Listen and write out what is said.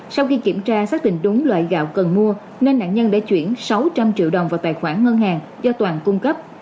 sau khi kiểm tra xác định đúng loại gạo cần mua nên nạn nhân đã chuyển sáu trăm linh triệu đồng vào tài khoản ngân hàng do toàn cung cấp